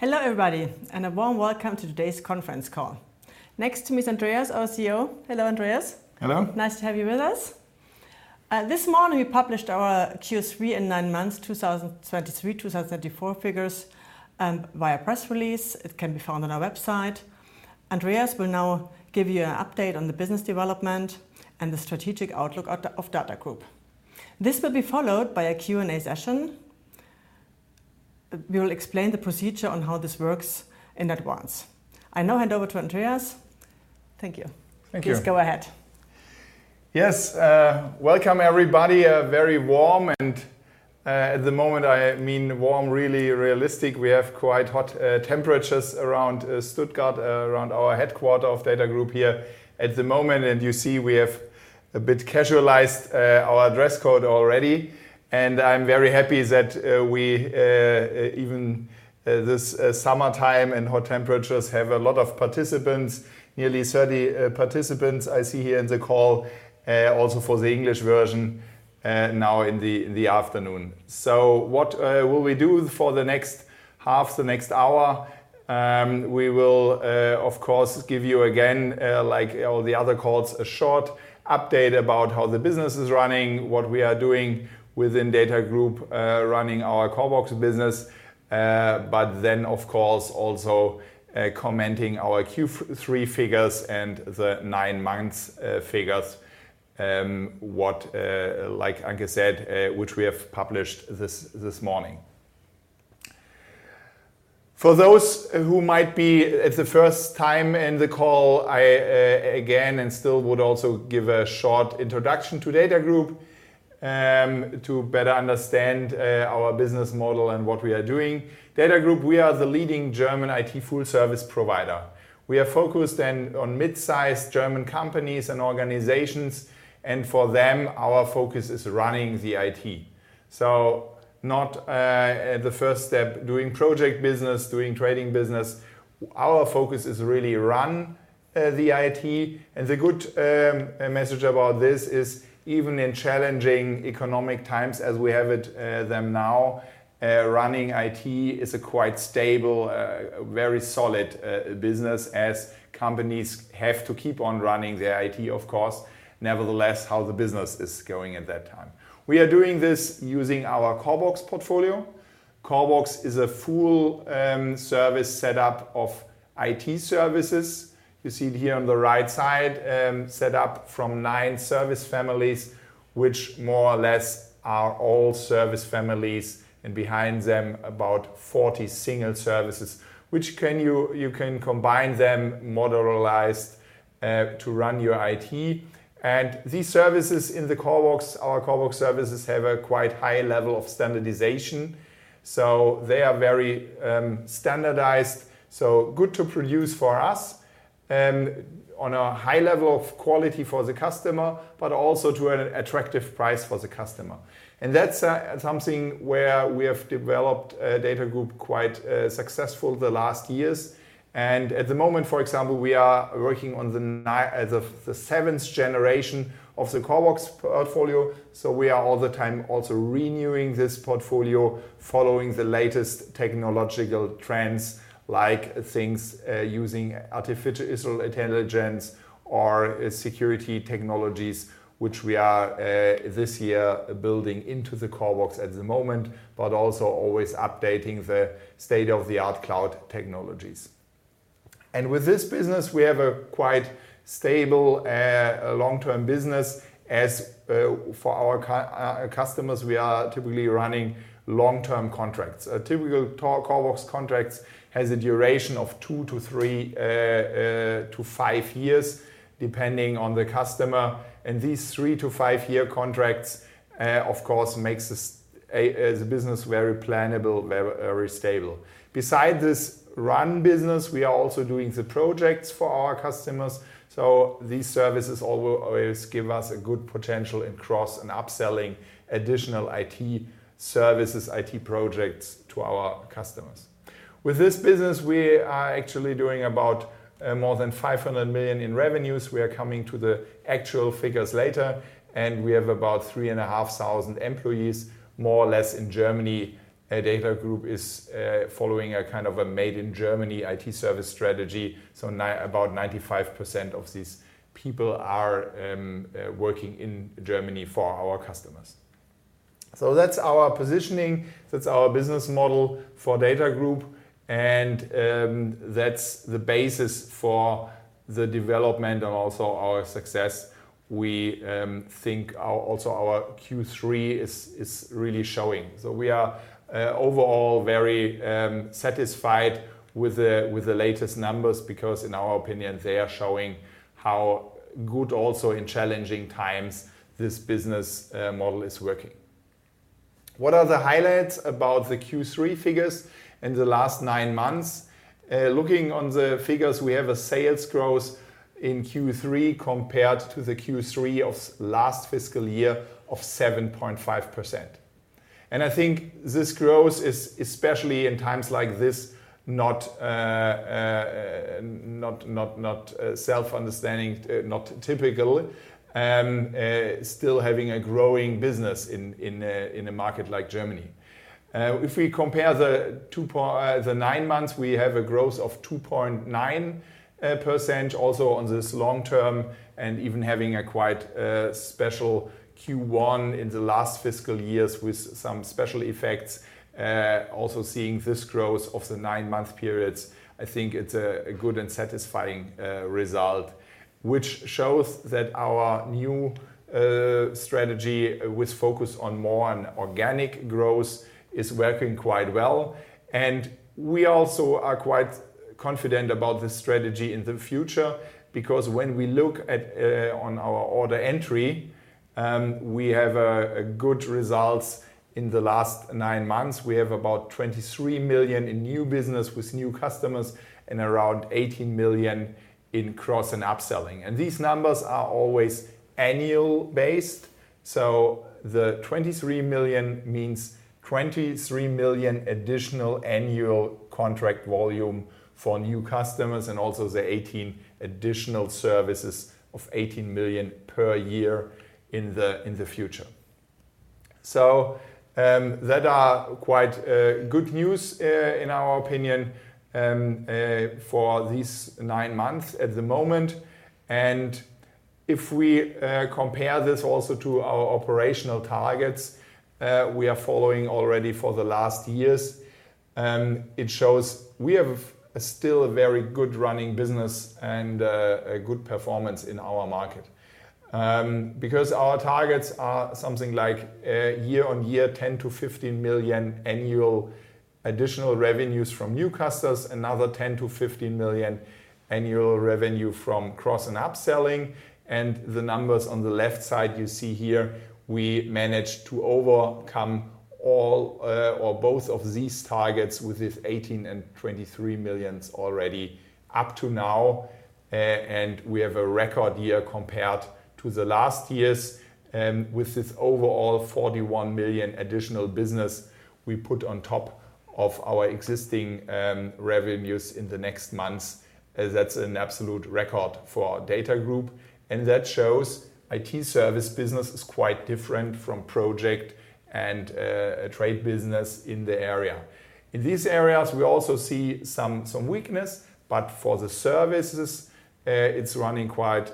Hello, everybody, and a warm welcome to today's conference call. Next to me is Andreas, our CEO. Hello, Andreas. Hello. Nice to have you with us. This morning, we published our Q3 and nine months, 2023, 2024 figures, via press release. It can be found on our website. Andreas will now give you an update on the business development and the strategic outlook of DATAGROUP. This will be followed by a Q&A session. We will explain the procedure on how this works in advance. I now hand over to Andreas. Thank you. Thank you. Please go ahead. Yes, welcome, everybody. A very warm and, at the moment, I mean, warm, really realistic. We have quite hot temperatures around Stuttgart, around our headquarters of DATAGROUP here at the moment, and you see we have a bit casualized our dress code already. I'm very happy that, even this summertime and hot temperatures, we have a lot of participants, nearly 30 participants I see here in the call, also for the English version, now in the afternoon. So what will we do for the next half, the next hour? We will, of course, give you again, like all the other calls, a short update about how the business is running, what we are doing within DATAGROUP, running our CORBOX business, but then, of course, also, commenting our Q3 figures and the nine months figures, as Anke said, which we have published this morning. For those who might be for the first time in the call, I again still would also give a short introduction to DATAGROUP, to better understand our business model and what we are doing. DATAGROUP, we are the leading German IT full service provider. We are focused on mid-sized German companies and organizations, and for them, our focus is running the IT. So not at the first step, doing project business, doing trading business. Our focus is really run the IT. And the good message about this is even in challenging economic times, as we have them now, running IT is a quite stable very solid business as companies have to keep on running their IT, of course, nevertheless how the business is going at that time. We are doing this using our CORBOX portfolio. CORBOX is a full service setup of IT services. You see it here on the right side set up from nine service families, which more or less are all service families, and behind them, about forty single services, which you can combine them, modularized to run your IT. These services in the CORBOX, our CORBOX services, have a quite high level of standardization, so they are very standardized, so good to produce for us on a high level of quality for the customer, but also to an attractive price for the customer. That's something where we have developed DATAGROUP quite successful the last years. At the moment, for example, we are working on the seventh generation of the CORBOX portfolio. So we are all the time also renewing this portfolio, following the latest technological trends, like things using artificial intelligence or security technologies, which we are this year building into the CORBOX at the moment, but also always updating the state-of-the-art cloud technologies. And with this business, we have a quite stable long-term business. For our customers, we are typically running long-term contracts. A typical CORBOX contract has a duration of 2 to 3 to 5 years, depending on the customer, and these 3-5-year contracts, of course, makes this, as a business, very plannable, very, very stable. Besides this run business, we are also doing the projects for our customers, so these services always give us a good potential in cross- and upselling additional IT services, IT projects to our customers. With this business, we are actually doing about more than 500 million in revenues. We are coming to the actual figures later, and we have about 3,500 employees, more or less in Germany. DATAGROUP is following a kind of a made-in-Germany IT service strategy, so about 95% of these people are working in Germany for our customers. So that's our positioning, that's our business model for DATAGROUP, and that's the basis for the development and also our success. We think also our Q3 is really showing. So we are overall very satisfied with the latest numbers, because in our opinion, they are showing how good also in challenging times, this business model is working. What are the highlights about the Q3 figures in the last nine months? Looking on the figures, we have a sales growth in Q3 compared to the Q3 of last fiscal year of 7.5%. I think this growth is, especially in times like this, not self-understanding, not typical, still having a growing business in a market like Germany. If we compare the nine months, we have a growth of 2.9% also on this long term, and even having a quite special Q1 in the last fiscal years with some special effects. Also seeing this growth of the nine-month periods, I think it's a good and satisfying result, which shows that our new strategy, with focus on more on organic growth, is working quite well. And we also are quite confident about this strategy in the future, because when we look at on our order entry, we have good results in the last nine months. We have about 23 million in new business with new customers and around 18 million in cross- and upselling. And these numbers are always annual based, so the 23 million means 23 million additional annual contract volume for new customers, and also the 18 additional services of 18 million per year in the future. So, that are quite good news in our opinion for these nine months at the moment. And if we compare this also to our operational targets, we are following already for the last years, it shows we have a still very good running business and a good performance in our market. Because our targets are something like, year-on-year, 10-15 million annual additional revenues from new customers, another 10-15 million annual revenue from cross- and upselling. And the numbers on the left side, you see here, we managed to overcome all, or both of these targets with this 18 and 23 million already up to now. And we have a record year compared to the last years, with this overall 41 million additional business we put on top of our existing, revenues in the next months. That's an absolute record for our DATAGROUP, and that shows IT service business is quite different from project and, trade business in the area. In these areas, we also see some weakness, but for the services, it's running quite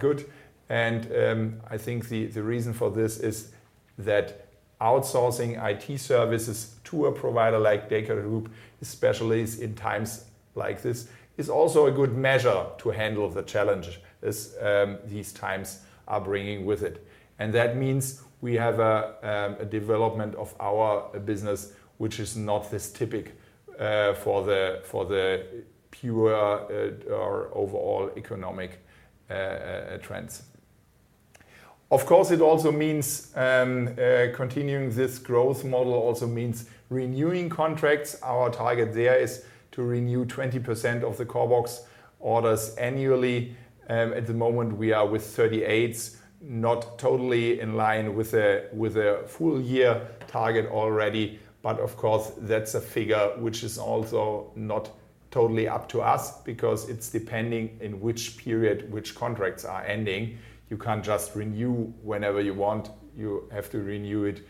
good. I think the reason for this is that outsourcing IT services to a provider like DATAGROUP, especially in times like this, is also a good measure to handle the challenges these times are bringing with it. That means we have a development of our business, which is not this typical for the pure or overall economic trends. Of course, it also means continuing this growth model also means renewing contracts. Our target there is to renew 20% of the CORBOX orders annually. At the moment, we are with 38%, not totally in line with a full year target already, but of course, that's a figure which is also not totally up to us because it's depending in which period which contracts are ending. You can't just renew whenever you want. You have to renew it,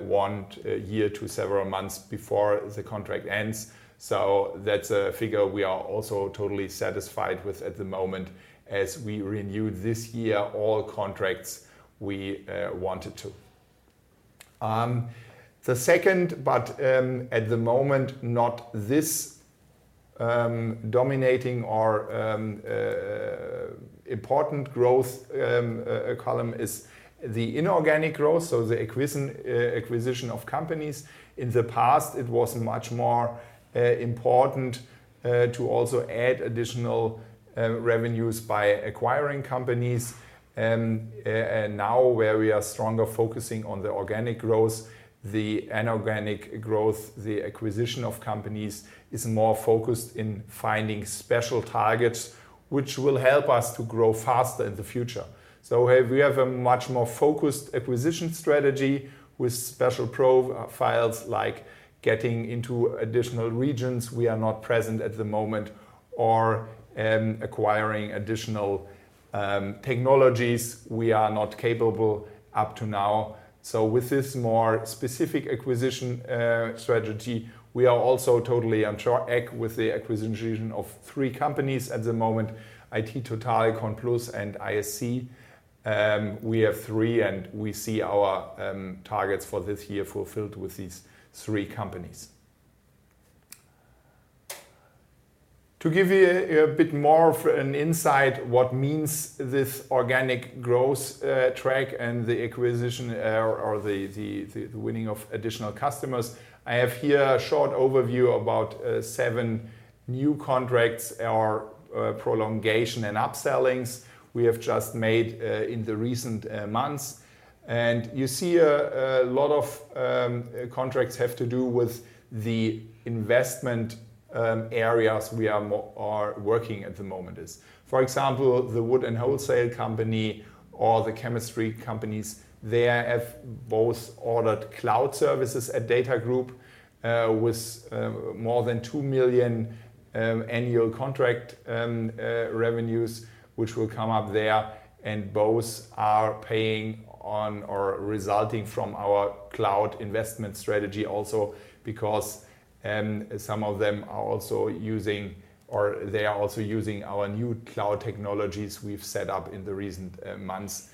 one year to several months before the contract ends. So that's a figure we are also totally satisfied with at the moment, as we renewed this year, all contracts we, wanted to. The second, but, at the moment, not this dominating or important growth column is the inorganic growth, so the acquisition, acquisition of companies. In the past, it was much more important to also add additional revenues by acquiring companies. And now, where we are stronger, focusing on the organic growth, the inorganic growth, the acquisition of companies is more focused in finding special targets, which will help us to grow faster in the future. So we have a much more focused acquisition strategy with special profiles, like getting into additional regions we are not present at the moment, or acquiring additional technologies we are not capable up to now. So with this more specific acquisition strategy, we are also totally on track with the acquisition of three companies at the moment, iT TOTAL, CONPLUS, and ISC. We have three, and we see our targets for this year fulfilled with these three companies. To give you a bit more of an insight what means this organic growth track and the acquisition or the winning of additional customers, I have here a short overview about seven new contracts or prolongation and upsellings we have just made in the recent months. And you see a lot of contracts have to do with the investment areas we are working at the moment is. For example, the wood and wholesale company or the chemistry companies, they have both ordered cloud services at DATAGROUP with more than 2 million annual contract revenues, which will come up there, and both are paying on or resulting from our cloud investment strategy also because some of them are also using or they are also using our new cloud technologies we've set up in the recent months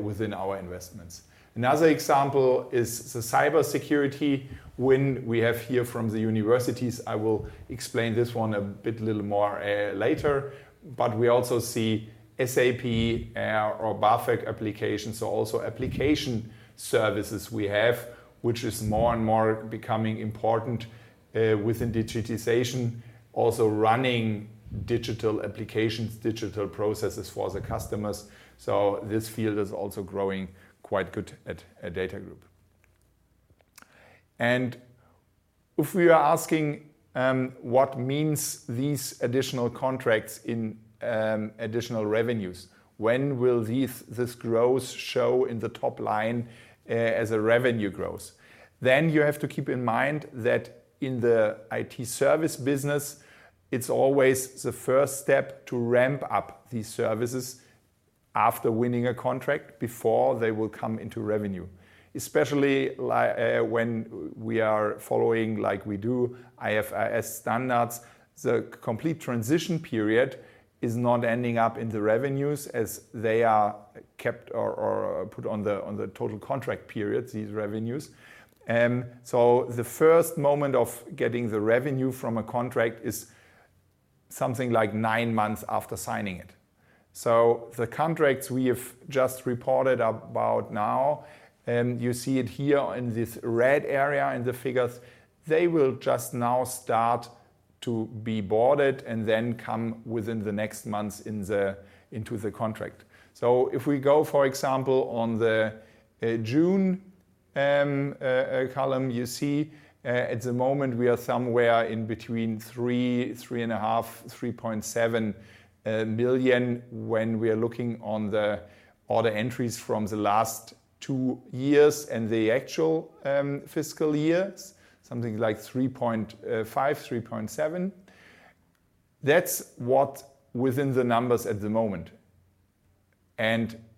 within our investments. Another example is the cybersecurity win we have here from the universities. I will explain this one a bit little more later, but we also see SAP or BAföG applications. So also application services we have, which is more and more becoming important within digitization, also running digital applications, digital processes for the customers. So this field is also growing quite good at DATAGROUP. And if we are asking, what means these additional contracts in additional revenues? When will this growth show in the top line, as a revenue growth? Then you have to keep in mind that in the IT service business, it's always the first step to ramp up these services after winning a contract, before they will come into revenue. Especially when we are following, like we do, IFRS standards, the complete transition period is not ending up in the revenues as they are kept or, or put on the, on the total contract periods, these revenues. So the first moment of getting the revenue from a contract is something like nine months after signing it. So the contracts we have just reported about now, you see it here in this red area in the figures, they will just now start to be boarded and then come within the next months into the contract. So if we go, for example, on the June column, you see, at the moment, we are somewhere in between 3, 3.5, 3.7 million, when we are looking on the order entries from the last two years and the actual fiscal years, something like 3.5, 3.7. That's what within the numbers at the moment.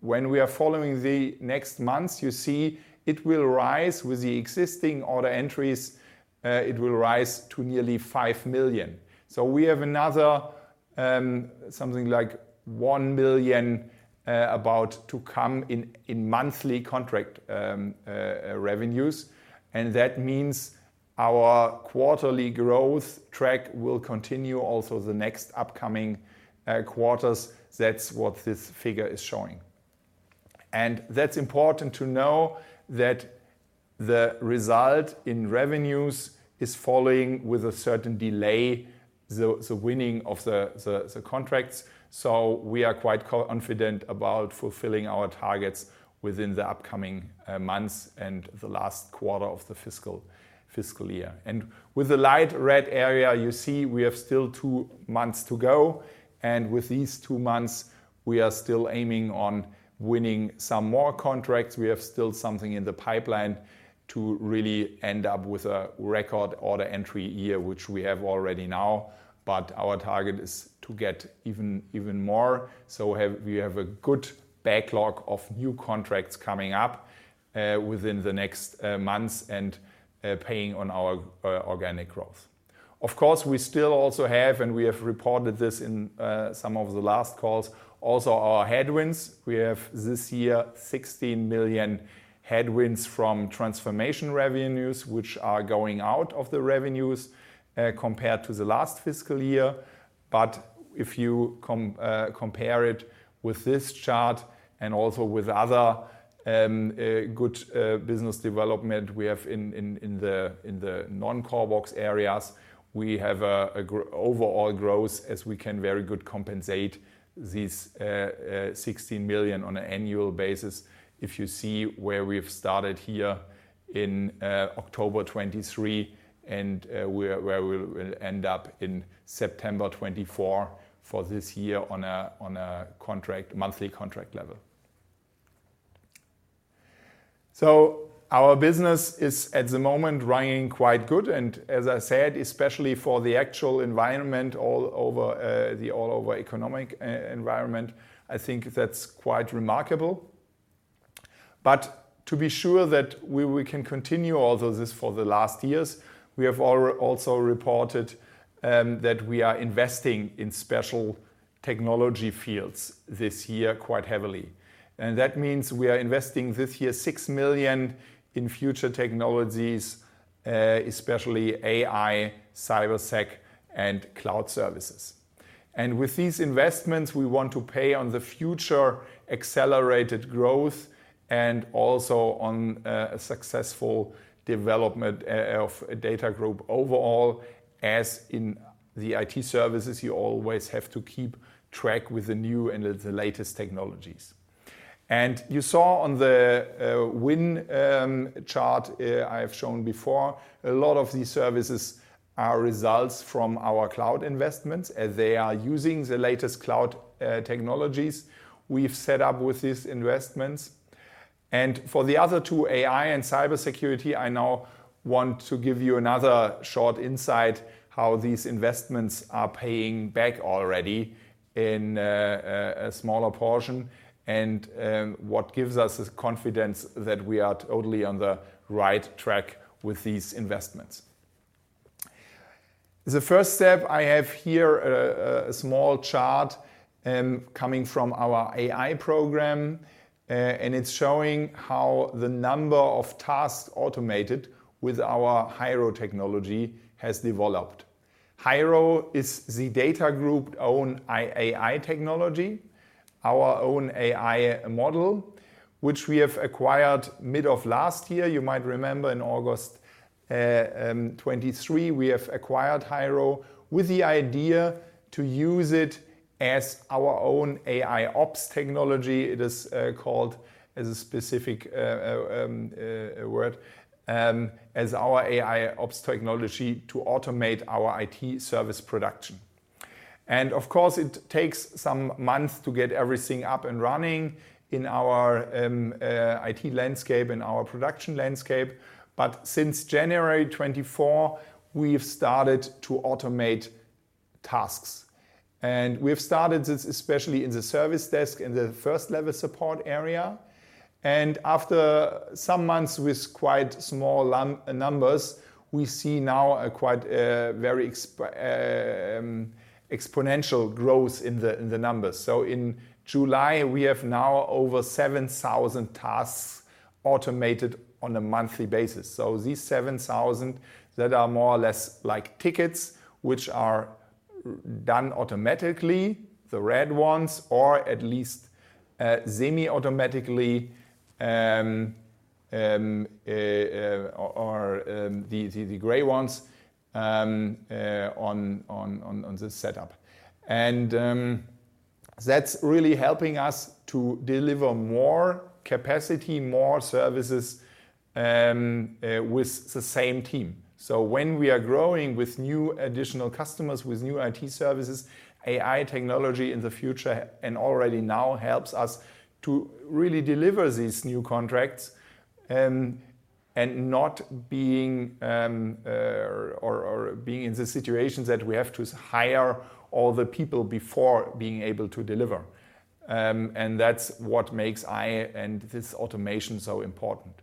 When we are following the next months, you see it will rise with the existing order entries, it will rise to nearly 5 million. So we have another, something like 1 million, about to come in, in monthly contract revenues, and that means our quarterly growth track will continue also the next upcoming quarters. That's what this figure is showing. And that's important to know that the result in revenues is following with a certain delay, the winning of the contracts. So we are quite confident about fulfilling our targets within the upcoming months and the last quarter of the fiscal year. And with the light red area, you see we have still two months to go, and with these two months, we are still aiming on winning some more contracts. We have still something in the pipeline to really end up with a record order entry year, which we have already now, but our target is to get even, even more. So we have a good backlog of new contracts coming up within the next months and paying on our organic growth. Of course, we still also have, and we have reported this in some of the last calls, also our headwinds. We have this year 16 million headwinds from transformation revenues, which are going out of the revenues compared to the last fiscal year. But if you compare it with this chart and also with other good business development we have in the non-CORBOX areas, we have overall growth as we can very good compensate these 16 million on an annual basis, if you see where we've started here in October 2023, and where we will end up in September 2024 for this year on a monthly contract level. So our business is at the moment running quite good, and as I said, especially for the actual environment all over the economic environment, I think that's quite remarkable. But to be sure that we can continue all of this for the last years, we have also reported that we are investing in special-... technology fields this year quite heavily. That means we are investing this year 6 million in future technologies, especially AI, cybersec, and cloud services. With these investments, we want to pay on the future accelerated growth and also on a successful development of a DATAGROUP overall, as in the IT services, you always have to keep track with the new and the latest technologies. You saw on the win chart I have shown before, a lot of these services are results from our cloud investments, as they are using the latest cloud technologies we've set up with these investments. And for the other two, AI and cybersecurity, I now want to give you another short insight how these investments are paying back already in a smaller portion, and what gives us the confidence that we are totally on the right track with these investments. The first step, I have here a small chart coming from our AI program, and it's showing how the number of tasks automated with our HIRO technology has developed. HIRO is the DATAGROUP own AI technology, our own AI model, which we have acquired mid of last year. You might remember in August 2023, we have acquired HIRO with the idea to use it as our own AIOps technology. It is called as a specific word as our AIOps technology to automate our IT service production. Of course, it takes some months to get everything up and running in our IT landscape and our production landscape, but since January 2024, we've started to automate tasks. We've started this, especially in the service desk, in the first level support area. And after some months with quite small numbers, we see now a quite very exponential growth in the numbers. So in July, we have now over 7,000 tasks automated on a monthly basis. So these 7,000 that are more or less like tickets, which are done automatically, the red ones, or at least semi-automatically, or the gray ones on the setup. And that's really helping us to deliver more capacity, more services with the same team. So when we are growing with new additional customers, with new IT services, AI technology in the future, and already now helps us to really deliver these new contracts, and not being in the situations that we have to hire all the people before being able to deliver. And that's what makes it and this automation so important.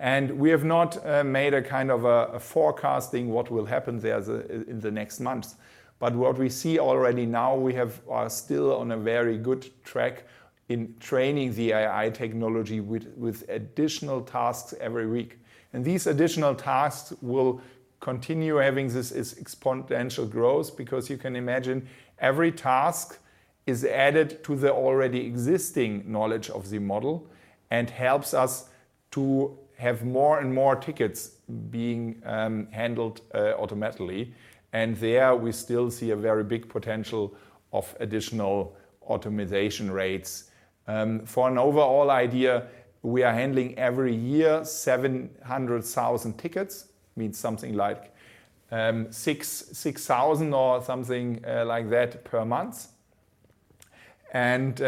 And we have not made a kind of forecasting what will happen there in the next months. But what we see already now, we are still on a very good track in training the AI technology with additional tasks every week. These additional tasks will continue having this exponential growth, because you can imagine every task is added to the already existing knowledge of the model and helps us to have more and more tickets being handled automatically. And there, we still see a very big potential of additional automation rates. For an overall idea, we are handling every year 700,000 tickets, means something like 60,000 or something like that per month. And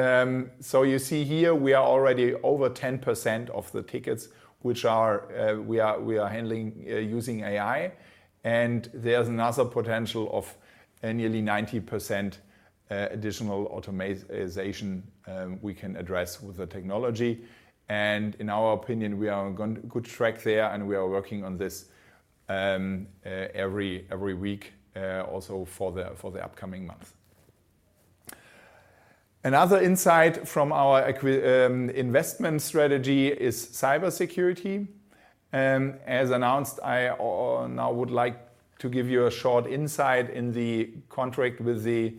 so you see here, we are already over 10% of the tickets, which we are handling using AI. And there's another potential of a nearly 90% additional automation we can address with the technology. In our opinion, we are on good track there, and we are working on this every week, also for the upcoming month. Another insight from our investment strategy is cybersecurity. As announced, I now would like to give you a short insight in the contract with the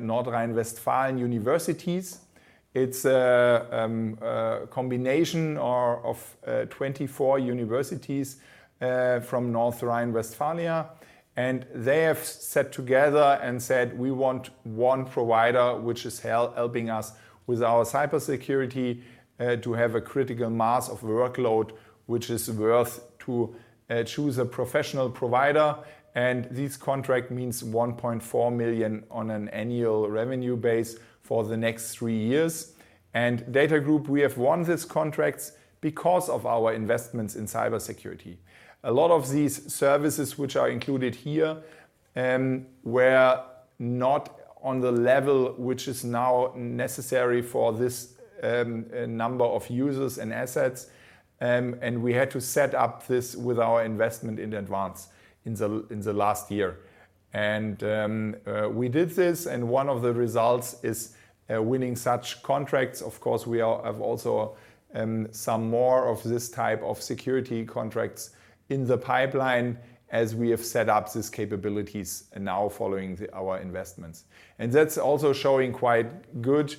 North Rhine-Westphalian universities. It's a combination of 24 universities from North Rhine-Westphalia, and they have sat together and said, "We want one provider, which is helping us with our cybersecurity to have a critical mass of workload, which is worth to choose a professional provider." And this contract means 1.4 million on an annual revenue base for the next three years. And DATAGROUP, we have won this contract because of our investments in cybersecurity. A lot of these services which are included here were not on the level which is now necessary for this number of users and assets, and we had to set up this with our investment in advance in the last year. We did this, and one of the results is winning such contracts. Of course, we have also some more of this type of security contracts in the pipeline as we have set up these capabilities now following our investments. And that's also showing quite good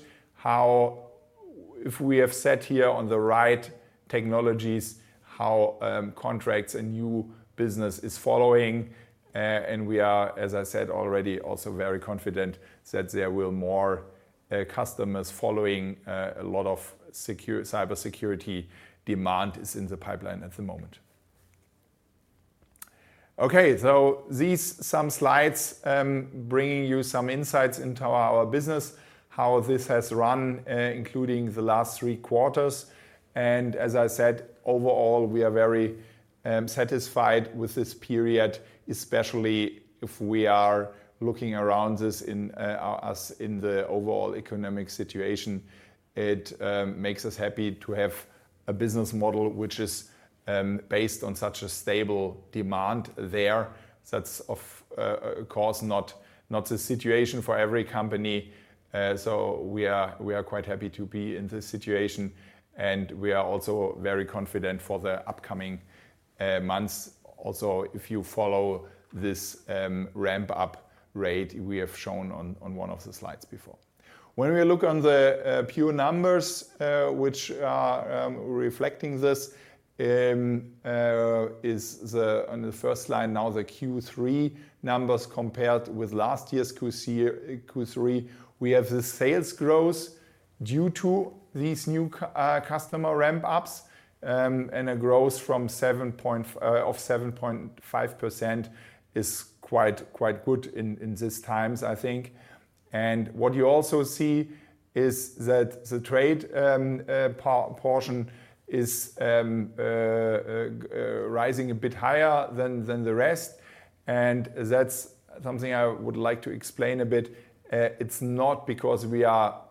if we have set here on the right technologies, how contracts and new business is following. And we are, as I said already, also very confident that there will more customers following, a lot of cybersecurity demand is in the pipeline at the moment. Okay, so these are some slides bringing you some insights into our business, how this has run, including the last three quarters. As I said, overall, we are very satisfied with this period, especially if we are looking around us in the overall economic situation. It makes us happy to have a business model which is based on such a stable demand there. That's of course not the situation for every company. So we are quite happy to be in this situation, and we are also very confident for the upcoming months. Also, if you follow this ramp-up rate, we have shown on one of the slides before. When we look on the pure numbers, which are reflecting this, on the first line now, the Q3 numbers compared with last year's Q3, we have the sales growth due to these new customer ramp ups, and a growth from 7.5% is quite good in these times, I think. And what you also see is that the trade portion is rising a bit higher than the rest, and that's something I would like to explain a bit. It's not because we are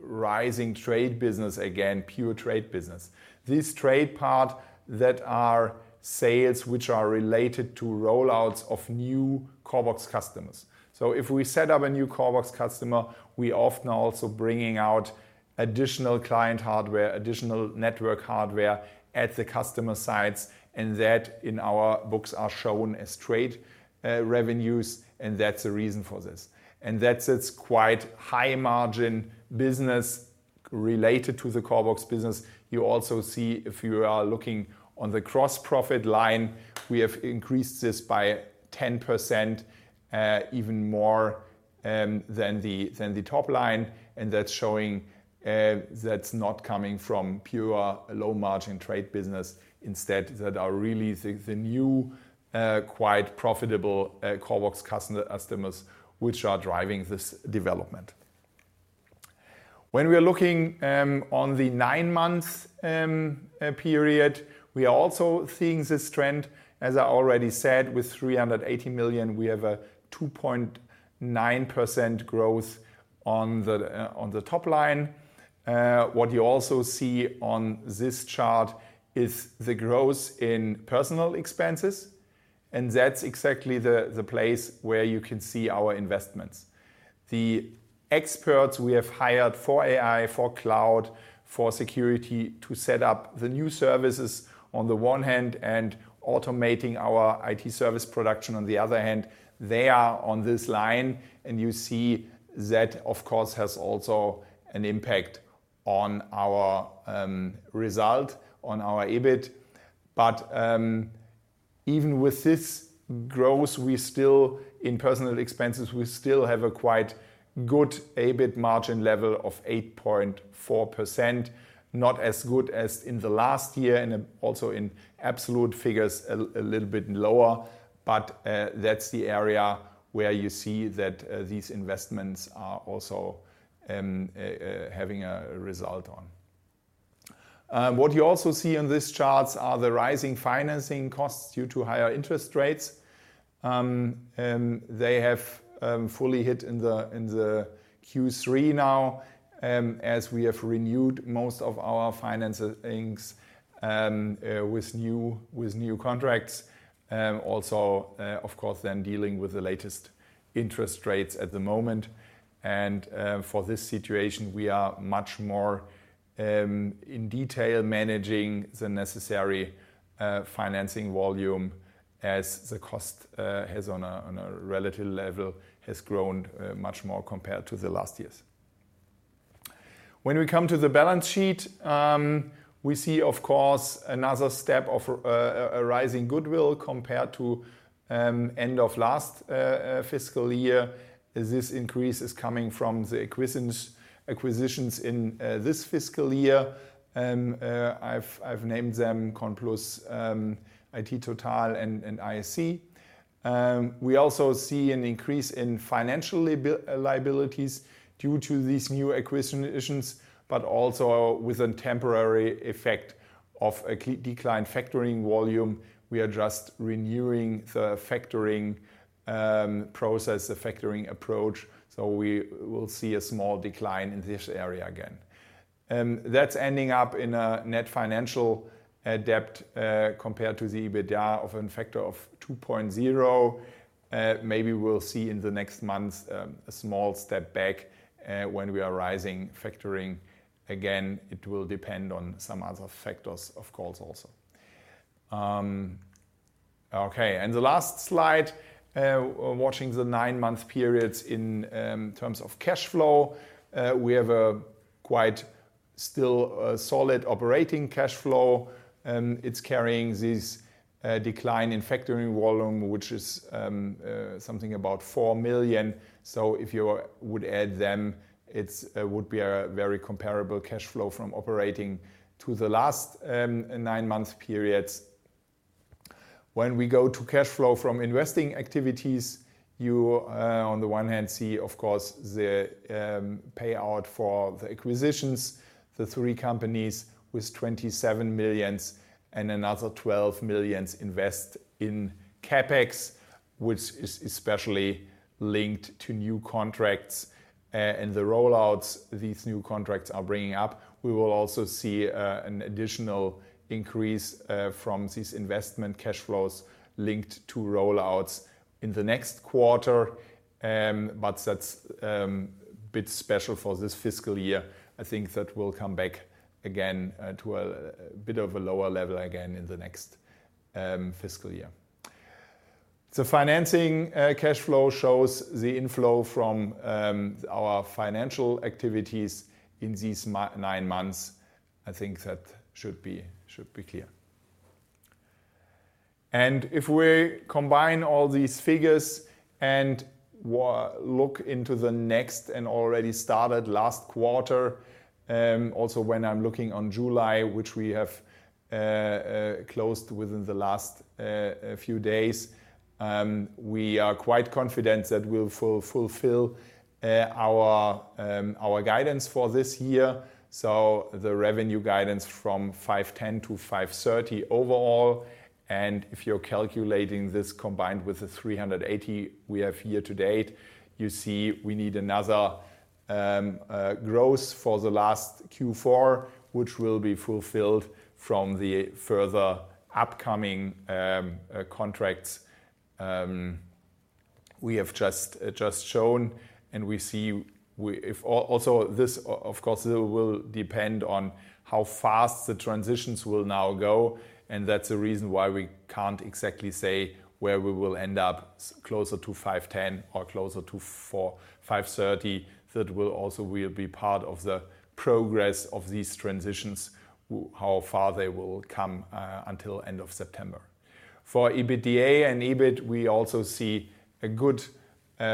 rising trade business again, pure trade business. This trade part that are sales, which are related to rollouts of new CORBOX customers. So if we set up a new CORBOX customer, we often are also bringing out additional client hardware, additional network hardware at the customer sites, and that in our books, are shown as trade revenues, and that's the reason for this. And that's, it's quite high margin business related to the CORBOX business. You also see, if you are looking on the gross profit line, we have increased this by 10%, even more, than the top line, and that's showing, that's not coming from pure low-margin trade business. Instead, that are really the new quite profitable CORBOX customer, customers, which are driving this development. When we are looking on the nine months period, we are also seeing this trend. As I already said, with 380 million, we have a 2.9% growth on the top line. What you also see on this chart is the growth in personnel expenses, and that's exactly the place where you can see our investments. The experts we have hired for AI, for cloud, for security, to set up the new services on the one hand, and automating our IT service production on the other hand, they are on this line, and you see that, of course, has also an impact on our result, on our EBIT. But, even with this growth, we still, in personnel expenses, we still have a quite good EBIT margin level of 8.4%. Not as good as in the last year and also in absolute figures, a little bit lower, but that's the area where you see that these investments are also having a result on. What you also see in these charts are the rising financing costs due to higher interest rates. They have fully hit in the Q3 now, as we have renewed most of our financings with new contracts. Also, of course, then dealing with the latest interest rates at the moment. And for this situation, we are much more in detail managing the necessary financing volume as the cost has on a relative level has grown much more compared to the last years. When we come to the balance sheet, we see, of course, another step of a rising goodwill compared to end of last fiscal year. This increase is coming from the acquisitions in this fiscal year. I've named them CONPLUS, iT TOTAL and ISC. We also see an increase in financial liabilities due to these new acquisitions, but also with a temporary effect of a decline in factoring volume. We are just renewing the factoring process, the factoring approach, so we will see a small decline in this area again. That's ending up in a net financial debt compared to the EBITDA of a factor of 2.0. Maybe we'll see in the next months a small step back when we are rising factoring again. It will depend on some other factors, of course, also. Okay, and the last slide, watching the nine-month periods in terms of cash flow, we have a quite still solid operating cash flow, and it's carrying this decline in factoring volume, which is something about 4 million. So if you would add them, it's would be a very comparable cash flow from operating to the last nine-month periods. When we go to cash flow from investing activities, you on the one hand see, of course, the payout for the acquisitions, the three companies with 27 million and another 12 million invest in CapEx, which is especially linked to new contracts and the rollouts these new contracts are bringing up. We will also see an additional increase from these investment cash flows linked to rollouts in the next quarter. But that's bit special for this fiscal year. I think that will come back again to a bit of a lower level again in the next fiscal year. So financing cash flow shows the inflow from our financial activities in these nine months. I think that should be clear. And if we combine all these figures and look into the next and already started last quarter, also when I'm looking on July, which we have closed within the last few days, we are quite confident that we'll fulfill our guidance for this year. So the revenue guidance from 510 million to 530 million overall, and if you're calculating this combined with the 380 million we have year to date, you see we need another growth for the last Q4, which will be fulfilled from the further upcoming contracts we have just shown, and we see also this, of course, will depend on how fast the transitions will now go, and that's the reason why we can't exactly say where we will end up, closer to 510 million or closer to 530 million. That will also be part of the progress of these transitions, how far they will come until end of September. For EBITDA and EBIT, we also see a good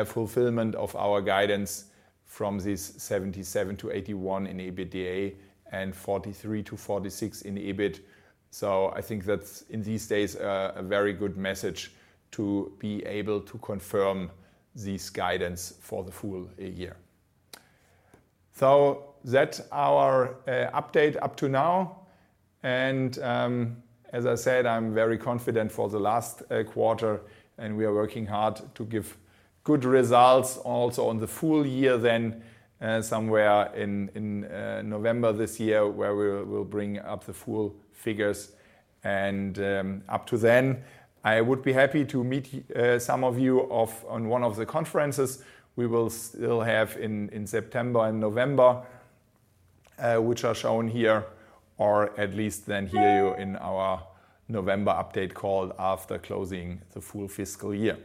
fulfillment of our guidance from this 77-81 in EBITDA and 43-46 in EBIT. So I think that's, in these days, a very good message to be able to confirm this guidance for the full year. So that's our update up to now. And, as I said, I'm very confident for the last quarter, and we are working hard to give good results also on the full year, then, somewhere in November this year, where we'll bring up the full figures. Up to then, I would be happy to meet some of you off on one of the conferences we will still have in September and November, which are shown here, or at least then hear you in our November update call after closing the full fiscal year.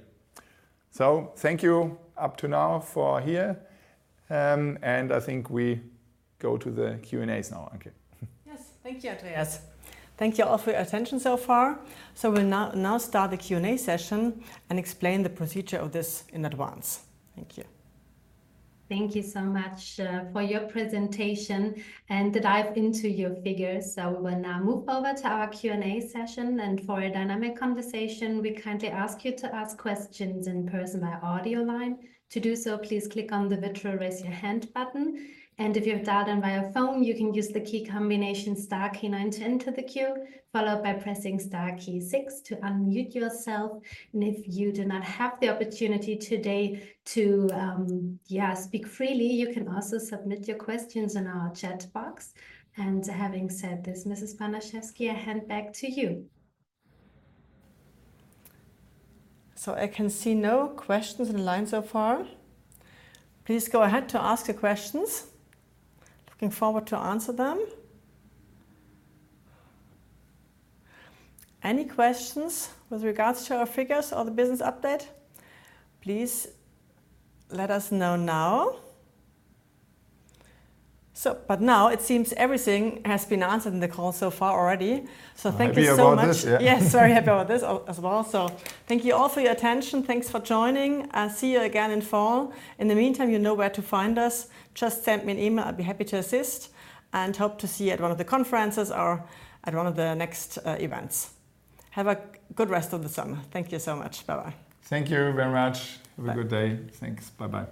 So thank you up to now for here. And I think we go to the Q&As now. Okay. Yes. Thank you, Andreas. Thank you all for your attention so far. So we'll now start the Q&A session and explain the procedure of this in advance. Thank you. Thank you so much for your presentation and the dive into your figures. So we will now move over to our Q&A session, and for a dynamic conversation, we kindly ask you to ask questions in person by audio line. To do so, please click on the virtual Raise Your Hand button, and if you've dialed in via phone, you can use the key combination star key nine to enter the queue, followed by pressing star key six to unmute yourself. And if you do not have the opportunity today to speak freely, you can also submit your questions in our chat box. And having said this, Mrs. Banaschewski, I hand back to you. I can see no questions in line so far. Please go ahead to ask your questions. Looking forward to answer them. Any questions with regards to our figures or the business update? Please let us know now. But now it seems everything has been answered in the call so far already. Thank you so much. Happy about this, yeah. Yes, very happy about this as well. So thank you all for your attention. Thanks for joining. I'll see you again in fall. In the meantime, you know where to find us. Just send me an email, I'd be happy to assist, and hope to see you at one of the conferences or at one of the next events. Have a good rest of the summer. Thank you so much. Bye-bye. Thank you very much. Bye. Have a good day. Thanks. Bye-bye.